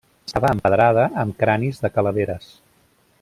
Estava empedrada amb cranis de calaveres.